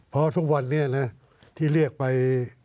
เพราะทุกวันนี้นะที่เรียกไป